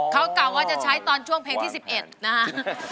เขากล่าวว่าจะใช้ตอนช่วงเพลงที่๑๑นะฮะ